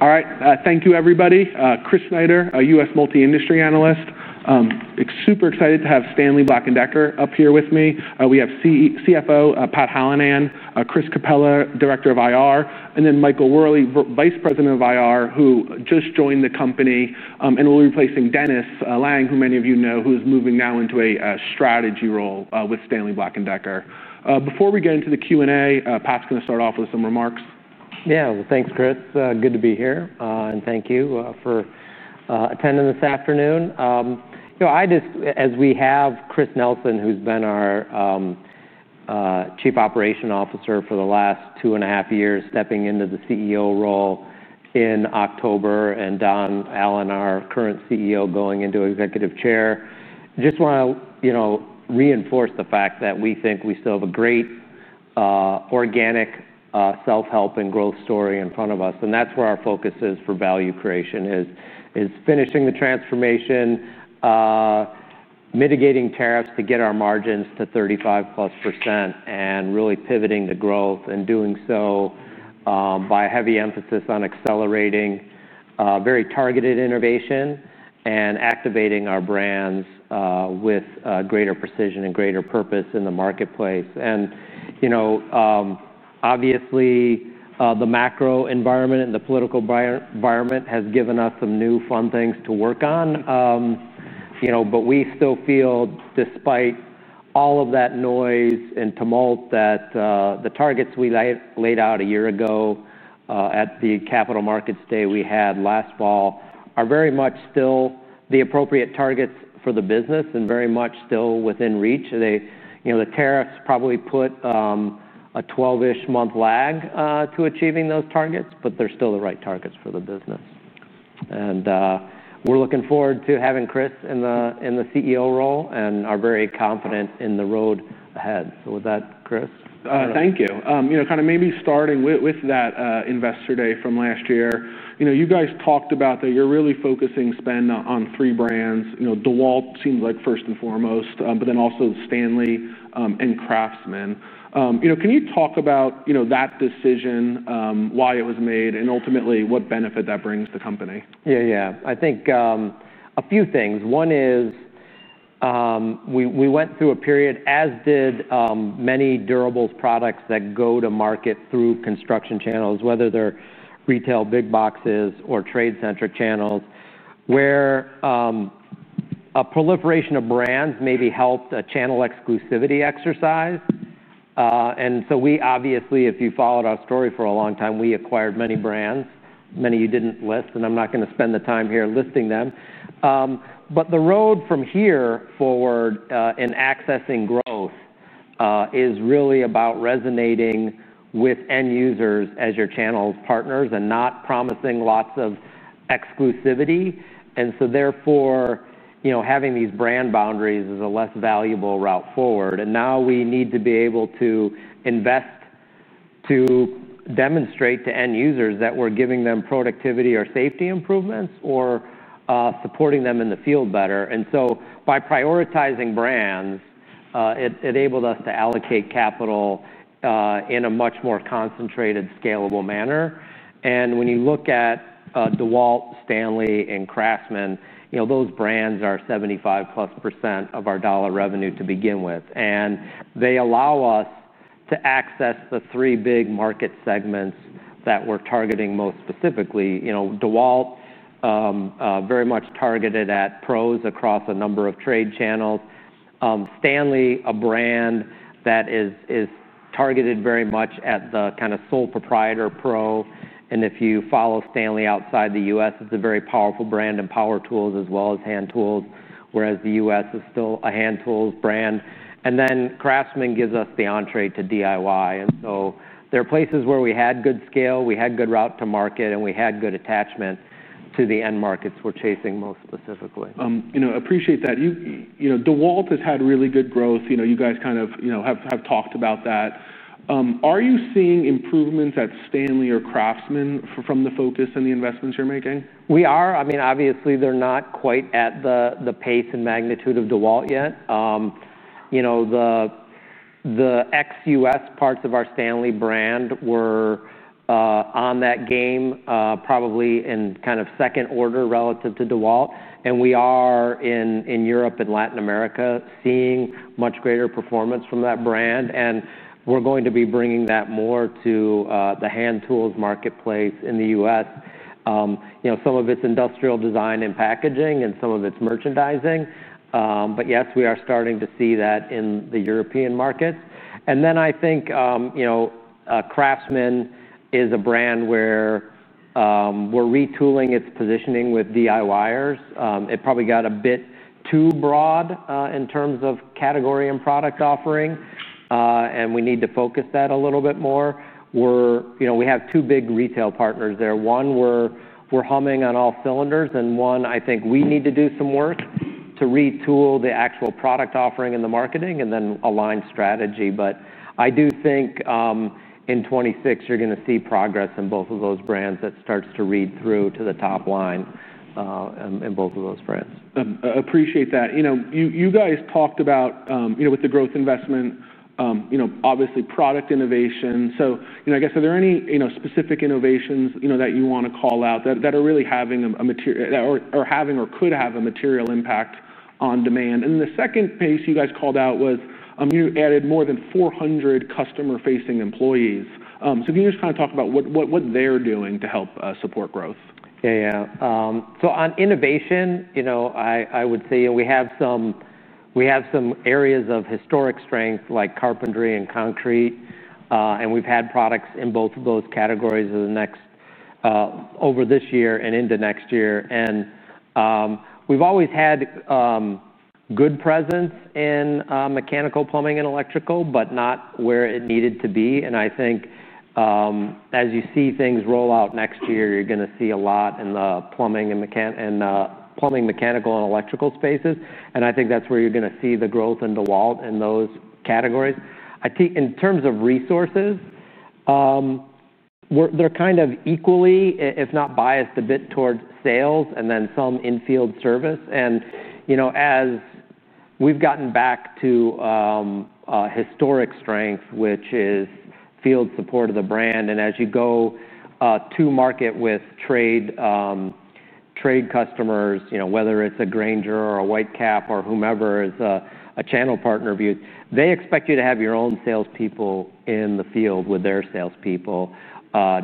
All right. Thank you, everybody. Chris Snyder, a U.S. multi-industry analyst. I'm super excited to have Stanley Black & Decker up here with me. We have CFO Pat Hallinan, Chris Capela, Director of IR, and then [Michael Worley], Vice President of IR, who just joined the company and will be replacing Dennis Lange, who many of you know, who is moving now into a strategy role with Stanley Black & Decker. Before we get into the Q&A, Pat's going to start off with some remarks. Yeah. Thanks, Chris. Good to be here. Thank you for attending this afternoon. As we have Chris Nelson, who's been our Chief Operations Officer for the last 2.5 years, stepping into the CEO role in October, and Don Allan, our current CEO, going into Executive Chair, I just want to reinforce the fact that we think we still have a great organic self-help and growth story in front of us. That's where our focus is for value creation, finishing the transformation, mitigating tariffs to get our margins to 35%+, and really pivoting the growth and doing so by a heavy emphasis on accelerating very targeted innovation and activating our brands with greater precision and greater purpose in the marketplace. Obviously, the macro environment and the political environment has given us some new fun things to work on. We still feel, despite all of that noise and tumult, that the targets we laid out a year ago at the Capital Markets Day we had last fall are very much still the appropriate targets for the business and very much still within reach. The tariffs probably put a 12-month lag to achieving those targets, but they're still the right targets for the business. We're looking forward to having Chris in the CEO role and are very confident in the road ahead. With that, Chris. Thank you. Kind of maybe starting with that Investor Day from last year, you guys talked about that you're really focusing spend on three brands. DEWALT seemed like first and foremost, but then also STANLEY and CRAFTSMAN. Can you talk about that decision, why it was made, and ultimately what benefit that brings the company? Yeah, yeah. I think a few things. One is we went through a period, as did many durables products that go to market through construction channels, whether they're retail big boxes or trade-centric channels, where a proliferation of brands maybe helped a channel exclusivity exercise. We obviously, if you followed our story for a long time, we acquired many brands, many you didn't list, and I'm not going to spend the time here listing them. The road from here forward in accessing growth is really about resonating with end users as your channel partners and not promising lots of exclusivity. Therefore, you know, having these brand boundaries is a less valuable route forward. Now we need to be able to invest to demonstrate to end users that we're giving them productivity or safety improvements or supporting them in the field better. By prioritizing brands, it enabled us to allocate capital in a much more concentrated, scalable manner. When you look at DEWALT, STANLEY, and CRAFTSMAN, you know, those brands are 75%+ of our dollar revenue to begin with. They allow us to access the three big market segments that we're targeting most specifically. DEWALT, very much targeted at pros across a number of trade channels. STANLEY, a brand that is targeted very much at the kind of sole proprietor pro. If you follow STANLEY outside the U.S., it's a very powerful brand in power tools as well as hand tools, whereas the U.S. is still a hand tools brand. CRAFTSMAN gives us the entree to DIY. There are places where we had good scale, we had good route to market, and we had good attachment to the end markets we're chasing most specifically. I appreciate that. DEWALT has had really good growth. You guys kind of have talked about that. Are you seeing improvements at STANLEY or CRAFTSMAN from the focus and the investments you're making? We are. I mean, obviously, they're not quite at the pace and magnitude of DEWALT yet. The ex-U.S. parts of our STANLEY brand were on that game probably in kind of second order relative to DEWALT. We are in Europe and Latin America seeing much greater performance from that brand, and we're going to be bringing that more to the hand tools marketplace in the U.S. Some of it's industrial design and packaging, and some of it's merchandising. Yes, we are starting to see that in the European markets. I think CRAFTSMAN is a brand where we're retooling its positioning with DIYers. It probably got a bit too broad in terms of category and product offering, and we need to focus that a little bit more. We have two big retail partners there. One, we're humming on all cylinders, and one, I think we need to do some work to retool the actual product offering and the marketing and then align strategy. I do think in 2026, you're going to see progress in both of those brands that start to read through to the top line in both of those brands. Appreciate that. You guys talked about, with the growth investment, obviously product innovation. I guess are there any specific innovations that you want to call out that are really having a material or could have a material impact on demand? The second piece you guys called out was you added more than 400 customer-facing employees. Can you just kind of talk about what they're doing to help support growth? Yeah, yeah. On innovation, I would say we have some areas of historic strength like carpentry and concrete. We've had products in both of those categories over this year and into next year. We've always had good presence in mechanical, plumbing, and electrical, but not where it needed to be. I think as you see things roll out next year, you're going to see a lot in the plumbing and mechanical and electrical spaces. I think that's where you're going to see the growth in DEWALT in those categories. In terms of resources, they're kind of equally, if not biased, a bit towards sales and then some in-field service. As we've gotten back to historic strength, which is field support of the brand, as you go to market with trade customers, whether it's a Grainger or a White Cap or whomever is a channel partner of yours, they expect you to have your own salespeople in the field with their salespeople,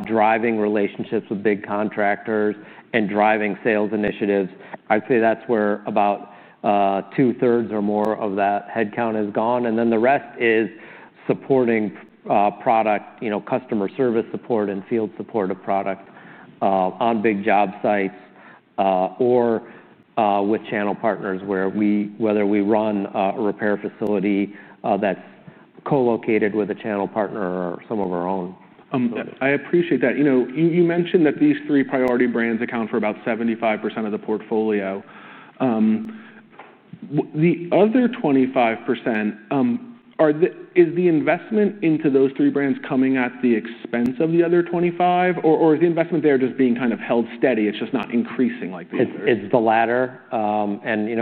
driving relationships with big contractors and driving sales initiatives. I'd say that's where about 2/3 or more of that headcount has gone. The rest is supporting product, customer service support, and field support of product on big job sites or with channel partners, whether we run a repair facility that's co-located with a channel partner or some of our own. I appreciate that. You mentioned that these three priority brands account for about 75% of the portfolio. The other 25%, is the investment into those three brands coming at the expense of the other 25%, or is the investment there just being kind of held steady? It's just not increasing like the others. It's the latter.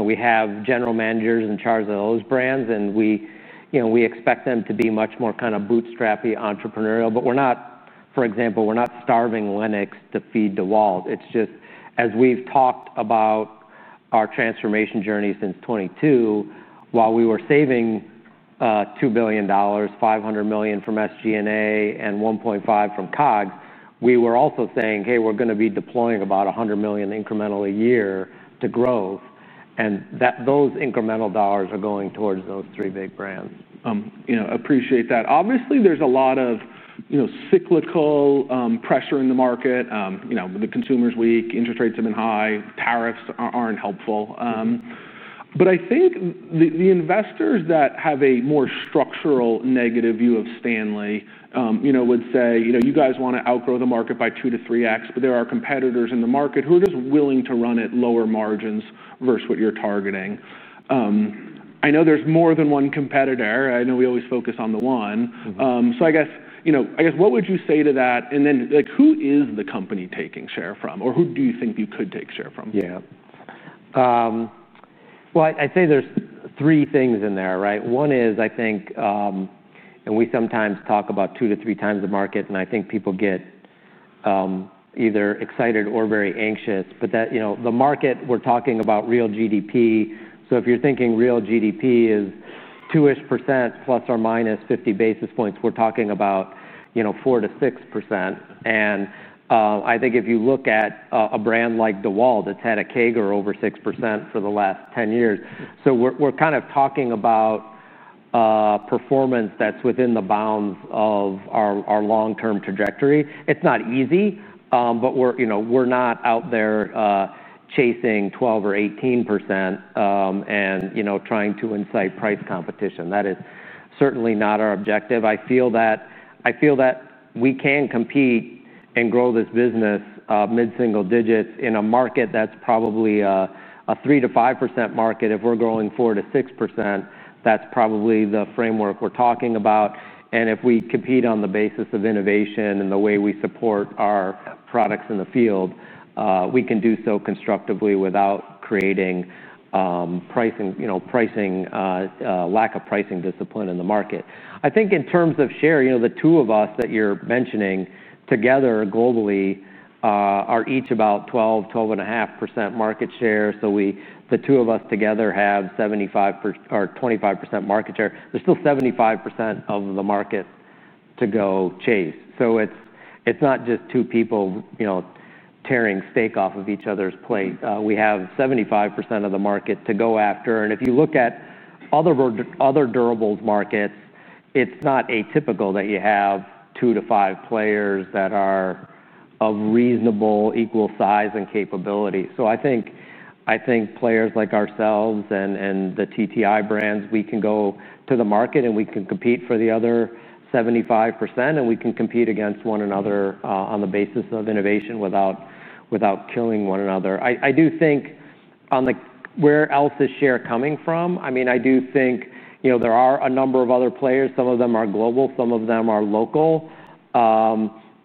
We have general managers in charge of those brands, and we expect them to be much more kind of bootstrappy, entrepreneurial. For example, we're not starving LENOX to feed DEWALT. As we've talked about our transformation journey since 2022, while we were saving $2 billion, $500 million from SG&A, and $1.5 billion from COGS, we were also saying, hey, we're going to be deploying about $100 million incremental a year to growth. Those incremental dollars are going towards those three big brands. I appreciate that. Obviously, there's a lot of cyclical pressure in the market. The consumer's weak, interest rates have been high, tariffs aren't helpful. I think the investors that have a more structural negative view of Stanley would say you guys want to outgrow the market by 2x-3x, but there are competitors in the market who are just willing to run at lower margins versus what you're targeting. I know there's more than one competitor. I know we always focus on the one. What would you say to that? Who is the company taking share from, or who do you think you could take share from? Yeah. I'd say there's three things in there, right? One is, I think, and we sometimes talk about 2x-3x the market, and I think people get either excited or very anxious. The market we're talking about is real GDP. If you're thinking real GDP is 2%-ish ±50 basis points, we're talking about 4%-6%. If you look at a brand like DEWALT® that's had a CAGR over 6% for the last 10 years, we're kind of talking about performance that's within the bounds of our long-term trajectory. It's not easy, but we're not out there chasing 12% or 18% and trying to incite price competition. That is certainly not our objective. I feel that we can compete and grow this business mid-single digits in a market that's probably a 3%-5% market. If we're growing 4%-6%, that's probably the framework we're talking about. If we compete on the basis of innovation and the way we support our products in the field, we can do so constructively without creating lack of pricing discipline in the market. I think in terms of share, the two of us that you're mentioning together globally are each about 12%, 12.5% market share. The two of us together do not have 75% or 25% market share. There's still 75% of the market to go chase. It's not just two people tearing steak off of each other's plate. We have 75% of the market to go after. If you look at other durables markets, it's not atypical that you have 2-5 players that are of reasonably equal size and capability. Players like ourselves and the TTI brands can go to the market and compete for the other 75%, and we can compete against one another on the basis of innovation without killing one another. I do think on the where else is share coming from, there are a number of other players. Some of them are global, some of them are local,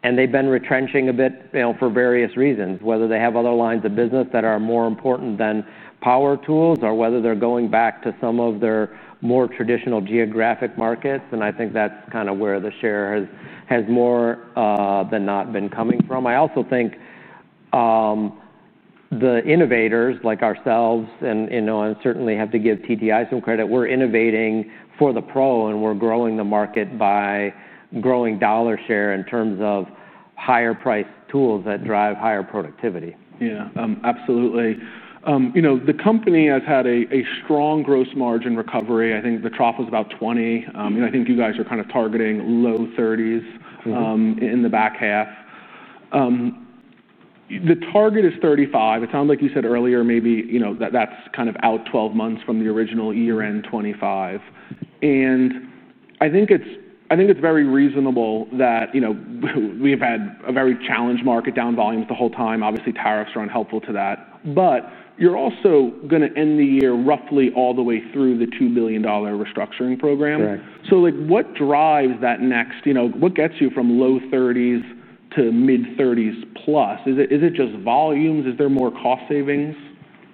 and they've been retrenching a bit for various reasons, whether they have other lines of business that are more important than power tools or whether they're going back to some of their more traditional geographic markets. I think that's kind of where the share has more than not been coming from. I also think the innovators like ourselves, and I certainly have to give TTI some credit, we're innovating for the pro and we're growing the market by growing dollar share in terms of higher-priced tools that drive higher productivity. Yeah, absolutely. You know, the company has had a strong gross margin recovery. I think the trough was about 20%. You know, I think you guys are kind of targeting low 30% in the back half. The target is 35%. It sounds like you said earlier, maybe, you know, that that's kind of out 12 months from the original year-end 2025. I think it's very reasonable that, you know, we have had a very challenged market, down volumes the whole time. Obviously, tariffs are unhelpful to that. You are also going to end the year roughly all the way through the $2 billion restructuring program. Correct. What drives that next, you know, what gets you from low 30% to mid-30%+? Is it just volumes? Is there more cost savings?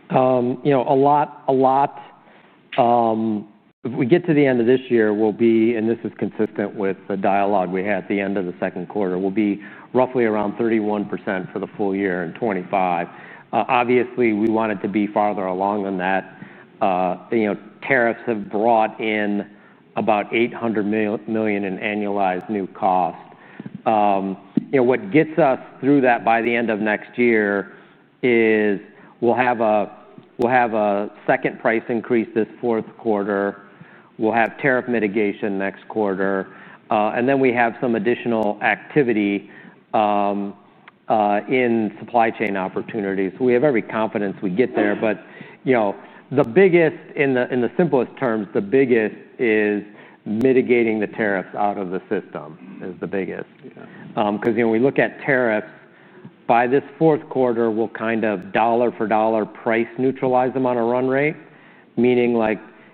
A lot, a lot. If we get to the end of this year, we'll be, and this is consistent with the dialogue we had at the end of the second quarter, we'll be roughly around 31% for the full year in 2025. Obviously, we want it to be farther along than that. Tariffs have brought in about $800 million in annualized new cost. What gets us through that by the end of next year is we'll have a second price increase this fourth quarter. We'll have tariff mitigation next quarter, and then we have some additional activity in supply chain opportunities. We have every confidence we get there. The biggest, in the simplest terms, is mitigating the tariffs out of the system. Because when we look at tariffs, by this fourth quarter, we'll kind of dollar for dollar price neutralize them on a run rate. Meaning,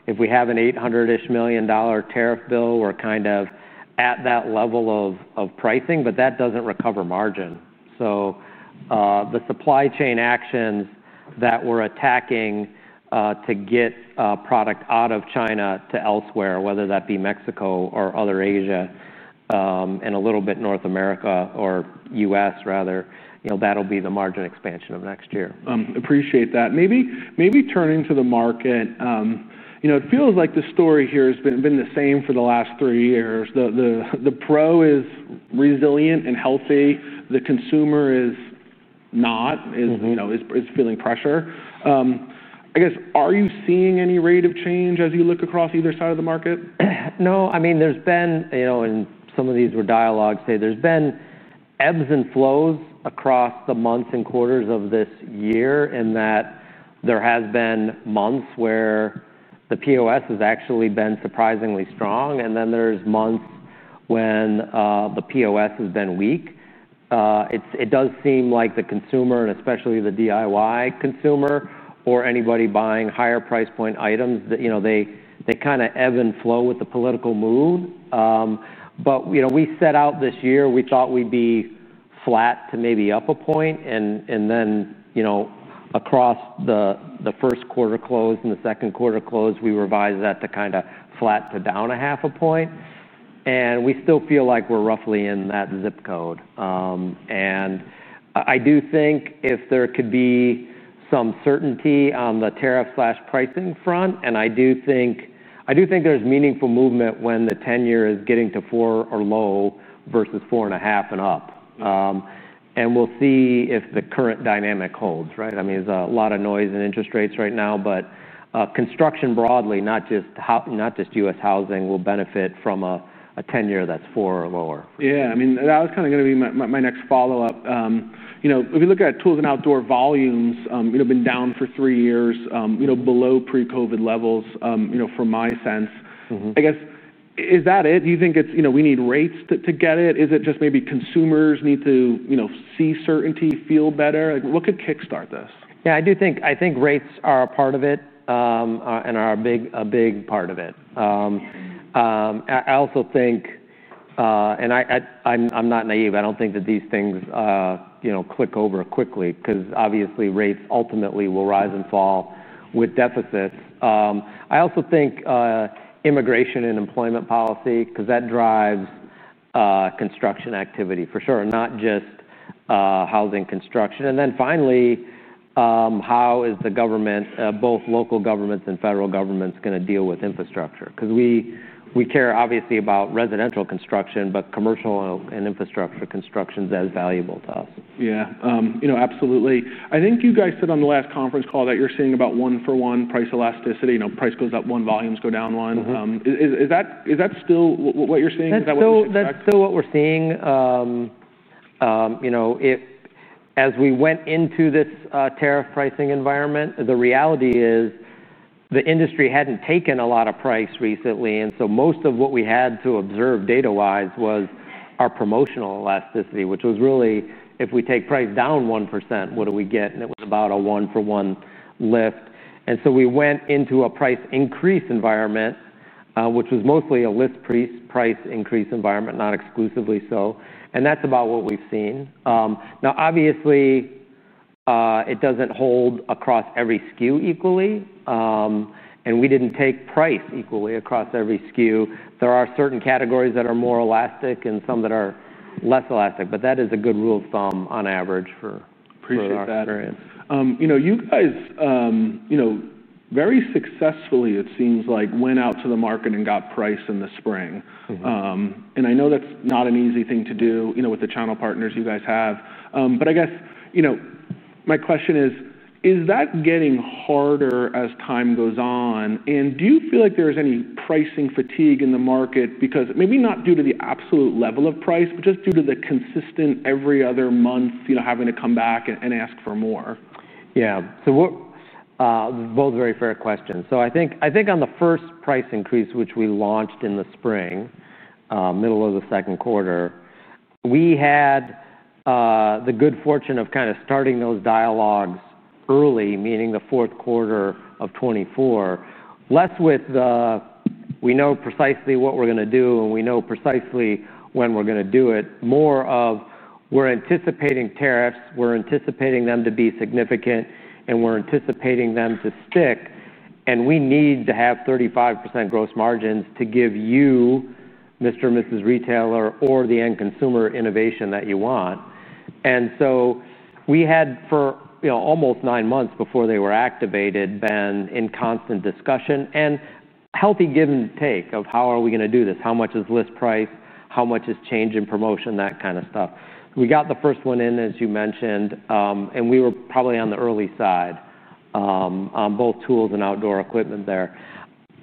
if we have an $800 million tariff bill, we're kind of at that level of pricing, but that doesn't recover margin. The supply chain actions that we're attacking to get product out of China to elsewhere, whether that be Mexico or other Asia and a little bit North America or U.S. rather, that'll be the margin expansion of next year. Appreciate that. Maybe turning to the market, you know, it feels like the story here has been the same for the last three years. The pro is resilient and healthy. The consumer is not, is feeling pressure. I guess, are you seeing any rate of change as you look across either side of the market? No. I mean, there's been, you know, and some of these were dialogues, say there's been ebbs and flows across the months and quarters of this year in that there have been months where the POS has actually been surprisingly strong. Then there's months when the POS has been weak. It does seem like the consumer, and especially the DIY consumer or anybody buying higher price point items, you know, they kind of ebb and flow with the political moon. You know, we set out this year, we thought we'd be flat to maybe up a point. Then, you know, across the first quarter close and the second quarter close, we revised that to kind of flat to down a half a point. We still feel like we're roughly in that zip code. I do think if there could be some certainty on the tariff/pricing front, and I do think there's meaningful movement when the 10-year is getting to 4% or low versus 4.5% and up. We'll see if the current dynamic holds, right? I mean, there's a lot of noise in interest rates right now, but construction broadly, not just U.S. housing, will benefit from a 10-year that's 4% or lower. Yeah, I mean, that was kind of going to be my next follow-up. If you look at tools and outdoor volumes, you know, been down for three years, below pre-COVID levels, from my sense. I guess, is that it? Do you think it's, you know, we need rates to get it? Is it just maybe consumers need to see certainty, feel better? What could kickstart this? Yeah, I do think rates are a part of it and are a big part of it. I also think, and I'm not naive, I don't think that these things, you know, click over quickly because obviously rates ultimately will rise and fall with deficits. I also think immigration and employment policy, because that drives construction activity for sure, not just housing construction. Finally, how is the government, both local governments and federal governments, going to deal with infrastructure? We care obviously about residential construction, but commercial and infrastructure construction is as valuable to us. Yeah, absolutely. I think you guys said on the last conference call that you're seeing about one-for-one price elasticity. You know, price goes up one, volumes go down one. Is that still what you're seeing? That's still what we're seeing. You know, as we went into this tariff pricing environment, the reality is the industry hadn't taken a lot of price recently. Most of what we had to observe data-wise was our promotional elasticity, which was really, if we take price down 1%, what do we get? It was about a one for one lift. We went into a price increase environment, which was mostly a lift price increase environment, not exclusively so. That's about what we've seen. Obviously, it doesn't hold across every SKU equally, and we didn't take price equally across every SKU. There are certain categories that are more elastic and some that are less elastic. That is a good rule of thumb on average for our experience. Appreciate that. You guys very successfully, it seems like, went out to the market and got price in the spring. I know that's not an easy thing to do with the channel partners you guys have. I guess my question is, is that getting harder as time goes on? Do you feel like there's any pricing fatigue in the market? Maybe not due to the absolute level of price, but just due to the consistent every other month having to come back and ask for more? Yeah. Both very fair questions. I think on the first price increase, which we launched in the spring, middle of the second quarter, we had the good fortune of starting those dialogues early, meaning the fourth quarter of 2024, less with the, we know precisely what we're going to do and we know precisely when we're going to do it, more of we're anticipating tariffs, we're anticipating them to be significant, and we're anticipating them to stick. We need to have 35% gross margins to give you, Mr. and Mrs. Retailer, or the end consumer, innovation that you want. For almost nine months before they were activated, we had been in constant discussion and healthy give and take of how are we going to do this, how much is list price, how much is change in promotion, that kind of stuff. We got the first one in, as you mentioned, and we were probably on the early side on both tools and outdoor equipment there.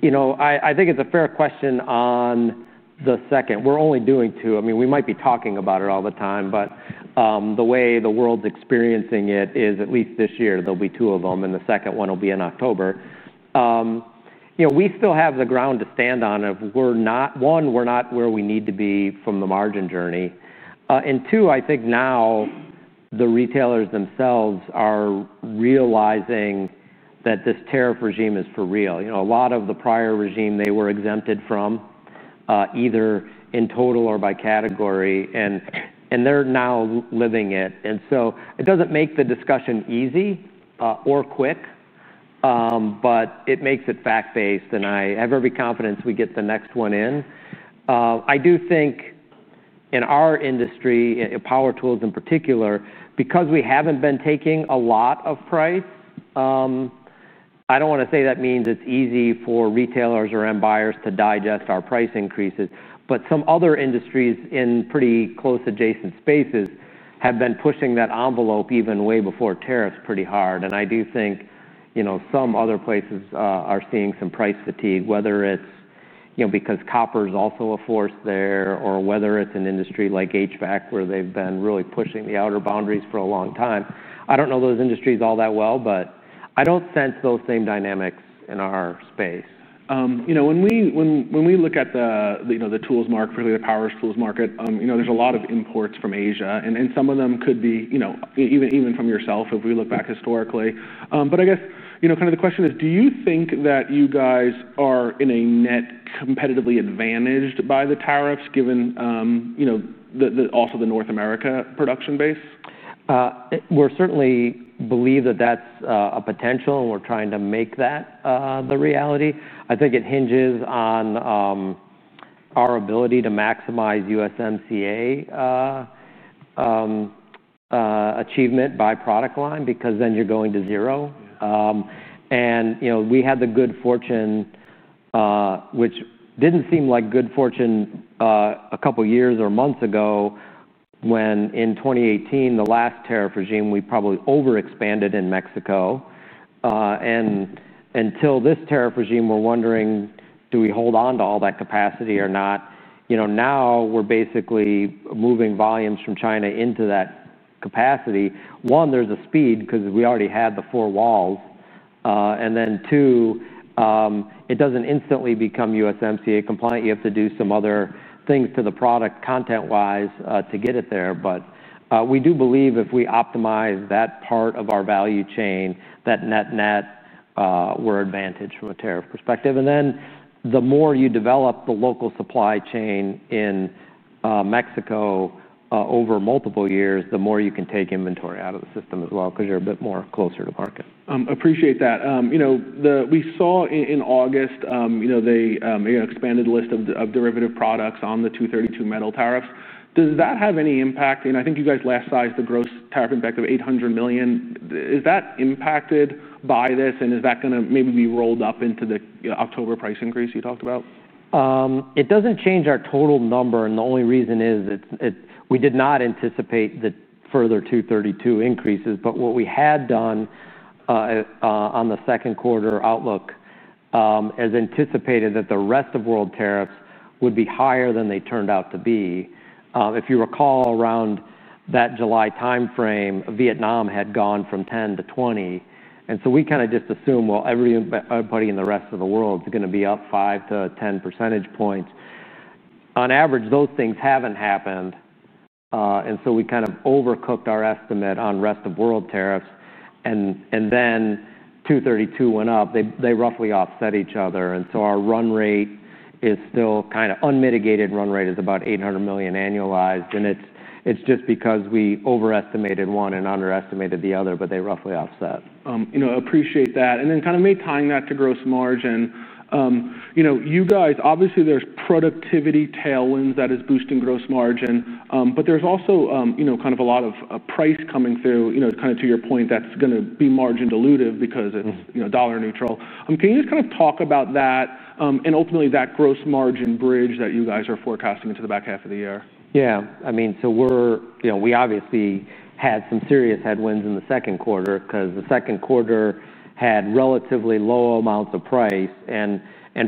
I think it's a fair question on the second. We're only doing two. We might be talking about it all the time, but the way the world's experiencing it is at least this year, there will be two of them, and the second one will be in October. We still have the ground to stand on if we're not, one, we're not where we need to be from the margin journey. Two, I think now the retailers themselves are realizing that this tariff regime is for real. A lot of the prior regime they were exempted from, either in total or by category, and they're now living it. It doesn't make the discussion easy or quick, but it makes it fact-based. I have every confidence we get the next one in. I do think in our industry, power tools in particular, because we haven't been taking a lot of price, I don't want to say that means it's easy for retailers or end buyers to digest our price increases. Some other industries in pretty close adjacent spaces have been pushing that envelope even way before tariffs pretty hard. I do think some other places are seeing some price fatigue, whether it's because copper is also a force there, or whether it's an industry like HVAC, where they've been really pushing the outer boundaries for a long time. I don't know those industries all that well, but I don't sense those same dynamics in our space. When we look at the tools market, particularly the power tools market, there is a lot of imports from Asia. Some of them could be even from yourself if we look back historically. I guess the question is, do you think that you guys are in a net competitively advantaged by the tariffs, given also the North America production base? We certainly believe that that's a potential, and we're trying to make that the reality. I think it hinges on our ability to maximize USMCA achievement by product line, because then you're going to zero. We had the good fortune, which didn't seem like good fortune a couple of years or months ago, when in 2018, the last tariff regime, we probably overexpanded in Mexico. Until this tariff regime, we're wondering, do we hold on to all that capacity or not? Now we're basically moving volumes from China into that capacity. One, there's a speed because we already had the four walls. Two, it doesn't instantly become USMCA compliant. You have to do some other things to the product content-wise to get it there. We do believe if we optimize that part of our value chain, that net-net, we're advantaged from a tariff perspective. The more you develop the local supply chain in Mexico over multiple years, the more you can take inventory out of the system as well, because you're a bit more closer to market. Appreciate that. We saw in August, you know, they expanded a list of derivative products on the 232 metal tariffs. Does that have any impact? I think you guys last sized the gross tariff impact at $800 million. Is that impacted by this? Is that going to maybe be rolled up into the October price increase you talked about? It doesn't change our total number. The only reason is we did not anticipate the further 232 increases. What we had done on the second quarter outlook is anticipated that the rest of world tariffs would be higher than they turned out to be. If you recall, around that July timeframe, Vietnam had gone from 10% to 20%. We kind of just assumed everybody in the rest of the world is going to be up 5%-10% points. On average, those things haven't happened. We kind of overcooked our estimate on the rest of world tariffs. Then 232 went up. They roughly offset each other. Our run rate is still kind of unmitigated. Run rate is about $800 million annualized. It's just because we overestimated one and underestimated the other, but they roughly offset. I appreciate that. Maybe tying that to gross margin, you guys, obviously, there's productivity tailwinds that are boosting gross margin, but there's also kind of a lot of price coming through. To your point, that's going to be margin dilutive because it's dollar neutral. Can you just talk about that and ultimately that gross margin bridge that you guys are forecasting into the back half of the year? Yeah. I mean, we're, you know, we obviously had some serious headwinds in the second quarter because the second quarter had relatively low amounts of price.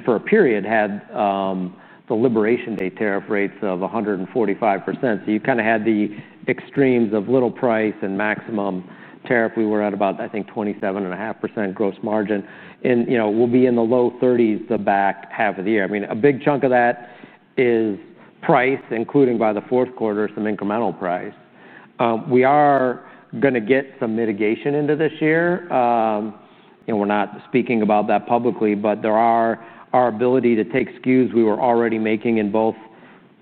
For a period, we had the Liberation Day tariff rates of 145%. You kind of had the extremes of little price and maximum tariff. We were at about, I think, 27.5% gross margin, and we'll be in the low 30% the back half of the year. A big chunk of that is price, including by the fourth quarter, some incremental price. We are going to get some mitigation into this year. We're not speaking about that publicly, but there is our ability to take SKUs we were already making in both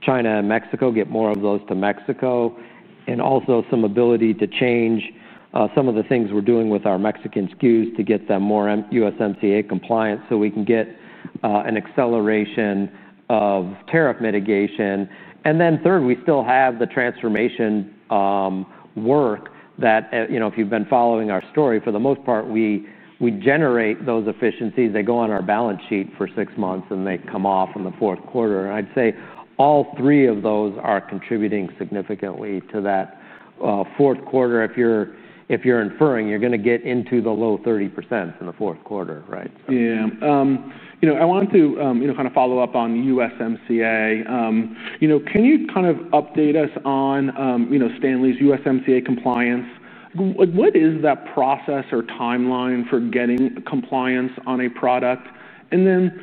China and Mexico, get more of those to Mexico, and also some ability to change some of the things we're doing with our Mexican SKUs to get them more USMCA compliant so we can get an acceleration of tariff mitigation. Third, we still have the transformation work that, if you've been following our story, for the most part, we generate those efficiencies. They go on our balance sheet for six months, and they come off in the fourth quarter. I'd say all three of those are contributing significantly to that fourth quarter. If you're inferring, you're going to get into the low 30% in the fourth quarter, right? Yeah. I wanted to kind of follow up on USMCA. Can you kind of update us on Stanley's USMCA compliance? What is that process or timeline for getting compliance on a product? The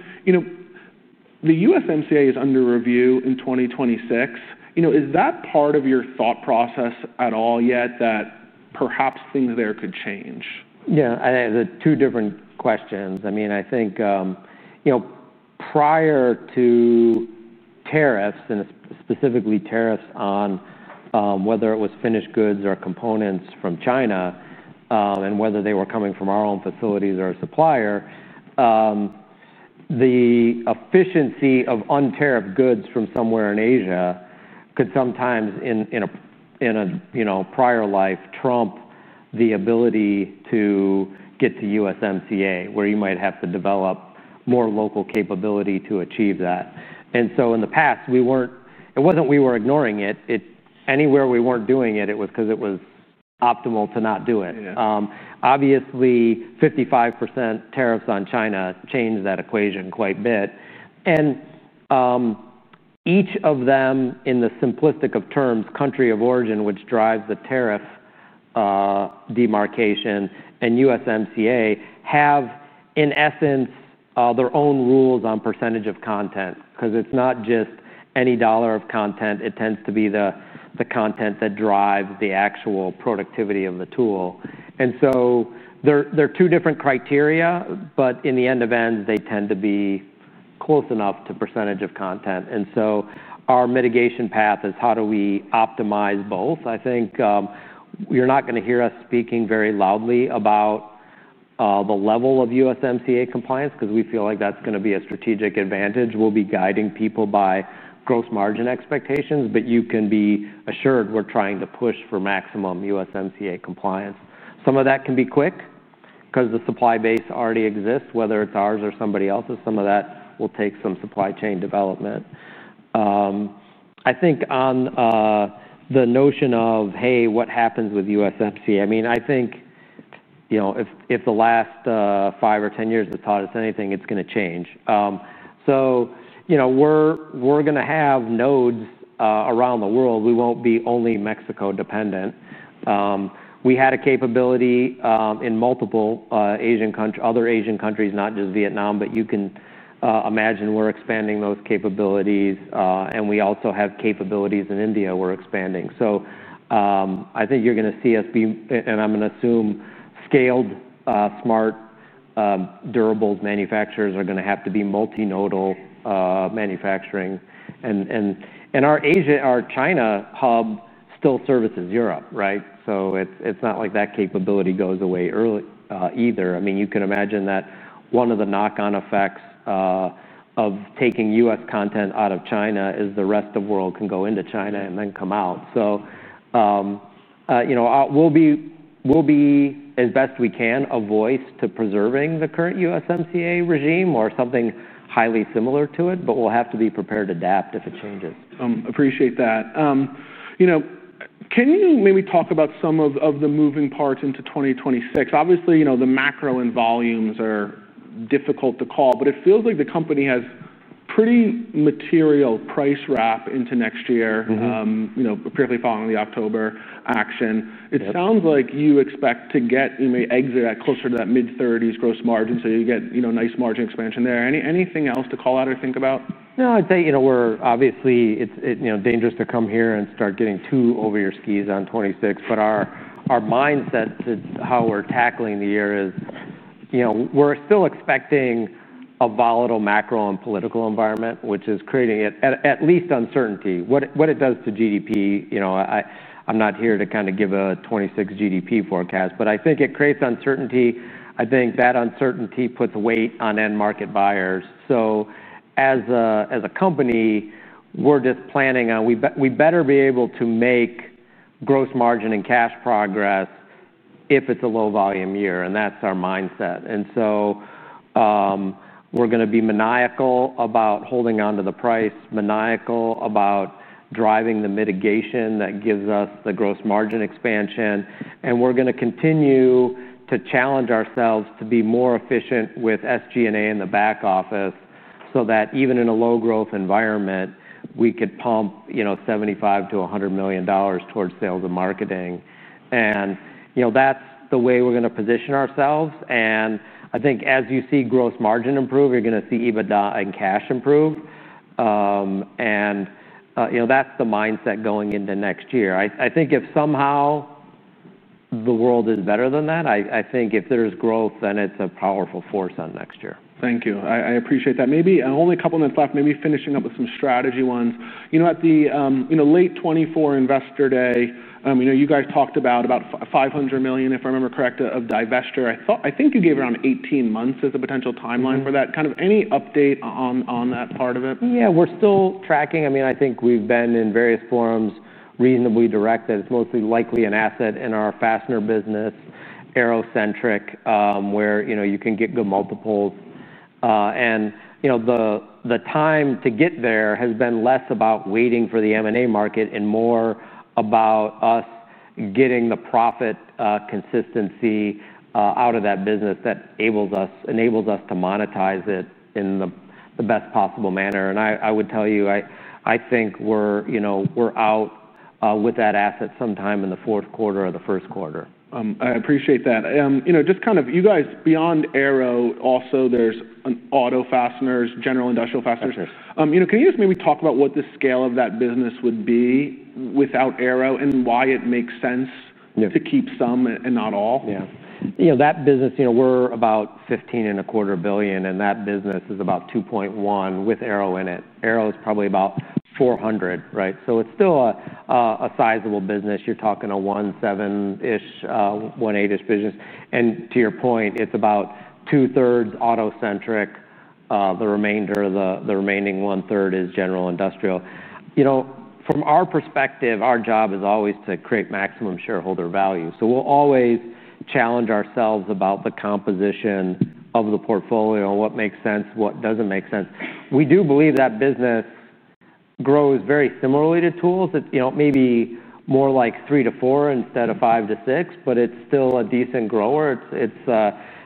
USMCA is under review in 2026. Is that part of your thought process at all yet that perhaps things there could change? Yeah, I have two different questions. I mean, I think, you know, prior to tariffs, and specifically tariffs on whether it was finished goods or components from China and whether they were coming from our own facilities or a supplier, the efficiency of untapped goods from somewhere in Asia could sometimes, in a prior life, trump the ability to get to USMCA, where you might have to develop more local capability to achieve that. In the past, we weren't, it wasn't we were ignoring it. Anywhere we weren't doing it, it was because it was optimal to not do it. Obviously, 55% tariffs on China change that equation quite a bit. Each of them, in the simplistic of terms, country of origin, which drives the tariff demarcation, and USMCA have, in essence, their own rules on percentage of content. Because it's not just any dollar of content. It tends to be the content that drives the actual productivity of the tool. There are two different criteria, but in the end of ends, they tend to be close enough to percentage of content. Our mitigation path is how do we optimize both. I think you're not going to hear us speaking very loudly about the level of USMCA compliance because we feel like that's going to be a strategic advantage. We'll be guiding people by gross margin expectations, but you can be assured we're trying to push for maximum USMCA compliance. Some of that can be quick because the supply base already exists, whether it's ours or somebody else's. Some of that will take some supply chain development. I think on the notion of, hey, what happens with USMCA? I mean, I think, you know, if the last five or ten years have taught us anything, it's going to change. We're going to have nodes around the world. We won't be only Mexico dependent. We had a capability in multiple Asian countries, other Asian countries, not just Vietnam, but you can imagine we're expanding those capabilities. We also have capabilities in India we're expanding. I think you're going to see us be, and I'm going to assume, scaled, smart, durable manufacturers are going to have to be multi-nodal manufacturing. Our Asia, our China hub still services Europe, right? It's not like that capability goes away early either. You can imagine that one of the knock-on effects of taking U.S. content out of China is the rest of the world can go into China and then come out. We'll be, as best we can, a voice to preserving the current USMCA regime or something highly similar to it, but we'll have to be prepared to adapt if it changes. Appreciate that. Can you maybe talk about some of the moving parts into 2026? Obviously, the macro and volumes are difficult to call, but it feels like the company has pretty material price wrap into next year, particularly following the October action. It sounds like you expect to get, you may exit at closer to that mid-30% gross margin. You get nice margin expansion there. Anything else to call out or think about? No, I'd say we're obviously, it's dangerous to come here and start getting too over your skis on 2026. Our mindset to how we're tackling the year is we're still expecting a volatile macro and political environment, which is creating at least uncertainty. What it does to GDP, I'm not here to kind of give a 2026 GDP forecast, but I think it creates uncertainty. I think that uncertainty puts weight on end market buyers. As a company, we're just planning on, we better be able to make gross margin and cash progress if it's a low volume year. That's our mindset. We're going to be maniacal about holding on to the price, maniacal about driving the mitigation that gives us the gross margin expansion. We're going to continue to challenge ourselves to be more efficient with SG&A in the back office so that even in a low growth environment, we could pump $75 million-$100 million towards sales and marketing. That's the way we're going to position ourselves. I think as you see gross margin improve, you're going to see EBITDA and cash improve. That's the mindset going into next year. I think if somehow the world is better than that, I think if there's growth, then it's a powerful force on next year. Thank you. I appreciate that. Maybe only a couple of minutes left, maybe finishing up with some strategy ones. At the late 2024 Investor Day, you guys talked about about $500 million, if I remember correctly, of divestiture. I think you gave around 18 months as a potential timeline for that. Any update on that part of it? Yeah, we're still tracking. I mean, I think we've been in various forums reasonably direct that it's most likely an asset in our fastener business, Arrow-centric, where you can get good multiples. The time to get there has been less about waiting for the M&A market and more about us getting the profit consistency out of that business that enables us to monetize it in the best possible manner. I would tell you, I think we're out with that asset sometime in the fourth quarter or the first quarter. I appreciate that. You know, just kind of, you guys, beyond Arrow, also there's an auto fasteners, general industrial fasteners. Can you just maybe talk about what the scale of that business would be without Arrow and why it makes sense to keep some and not all? Yeah. You know, that business, we're about $15.25 billion, and that business is about $2.1 billion with Arrow in it. Arrow is probably about $400 million, right? It's still a sizable business. You're talking a $1.7-ish billion, $1.8-ish billion business. To your point, it's about 2/3 auto-centric. The remainder of the remaining 1/3 is general industrial. From our perspective, our job is always to create maximum shareholder value. We'll always challenge ourselves about the composition of the portfolio, what makes sense, what doesn't make sense. We do believe that business grows very similarly to tools. It may be more like 3%-4% instead of 5%-6%, but it's still a decent grower. It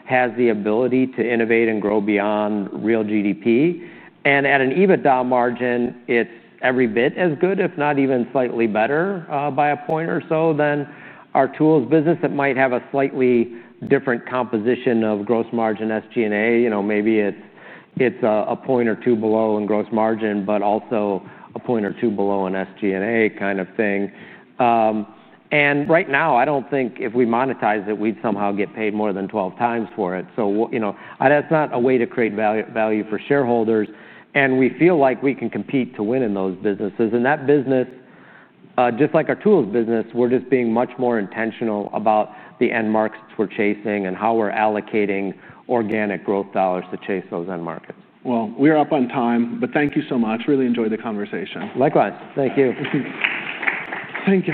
has the ability to innovate and grow beyond real GDP. At an EBITDA margin, it's every bit as good, if not even slightly better by a point or so than our tools business. It might have a slightly different composition of gross margin and SG&A. Maybe it's a point or two below in gross margin, but also a point or two below in SG&A kind of thing. Right now, I don't think if we monetize it, we'd somehow get paid more than 12x for it. That's not a way to create value for shareholders. We feel like we can compete to win in those businesses. That business, just like our tools business, we're just being much more intentional about the end markets we're chasing and how we're allocating organic growth dollars to chase those end markets. Thank you so much. Really enjoyed the conversation. Likewise, thank you. Appreciate it. Thank you.